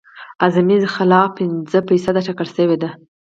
اعظمي خلا پنځه فیصده ټاکل شوې ده